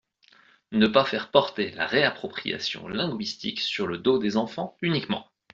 Ne pas faire porter la réappropriation linguistique sur le dos des enfants uniquement.